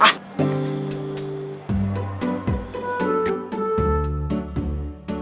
sampai jumpa lagi